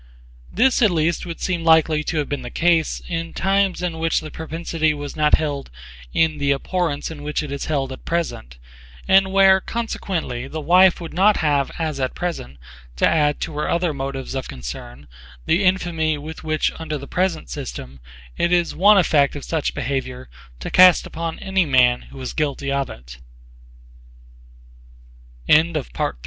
This at least would seem likely to have been the case in times in which the propensity was not held in the abhorrence in which it is held at present, and where consequently the wife would [not] have as at present to add to her other motives of concern the infamy with which under the present system it is one effect of such behavior to cast upon any man who is gu